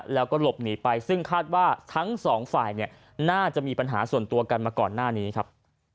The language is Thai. แล้วก็หลบหนีไปซึ่งคาดว่าทั้งสองฝ่ายเนี่ยน่าจะมีปัญหาส่วนตัวกันมาก่อนหน้านี้ครับ